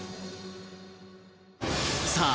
さあ